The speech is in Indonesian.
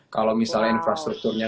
kalau misalnya infrastrukturnya